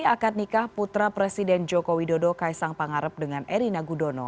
akad nikah putra presiden joko widodo kaisang pangarep dengan erina gudono